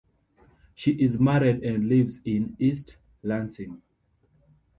She is married and lives in East Lansing.